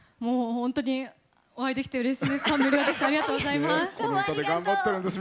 本当にお会いできてうれしいです。